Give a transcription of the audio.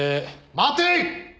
待て！